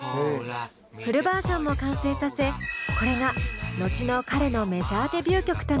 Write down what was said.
フルバージョンも完成させこれが後の彼のメジャーデビュー曲となります。